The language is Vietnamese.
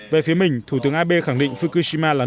về phía mình thủ tướng abe khẳng định fukushima là